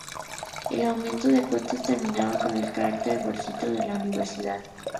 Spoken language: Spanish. El aumento de cuotas terminaba con el carácter gratuito de la Universidad.